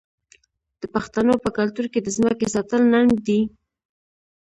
د پښتنو په کلتور کې د ځمکې ساتل ننګ دی.